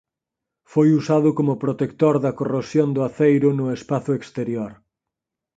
Foi usado como protector da corrosión do aceiro no espazo exterior.